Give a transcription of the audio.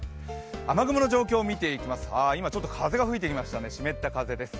雨雲の状況見ていきます、今ちょっと風が吹いてきましたね、湿った風です。